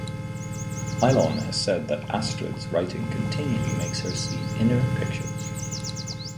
Ilon has said that Astrid's writing continually makes her see inner pictures.